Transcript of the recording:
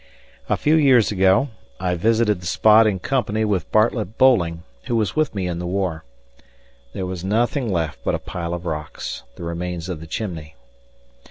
A few years ago I visited the spot in company with Bartlett Bolling, who was with me in the war. There was nothing left but a pile of rocks the remains of the chimney.